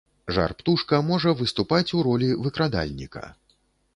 Жар-птушка можа выступаць у ролі выкрадальніка.